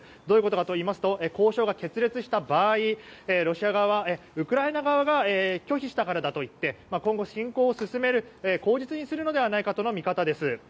どういうことかといいますと交渉が決裂した場合ロシア側はウクライナ側が拒否したからといって今後、侵攻を進める口実にするのではないかとの見方です。